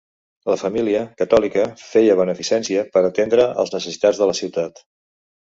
La família, catòlica, feia beneficència per atendre els necessitats de la ciutat.